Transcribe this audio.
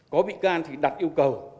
có bị can thì đặt yêu cầu